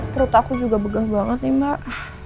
perut aku juga begah banget nih mbak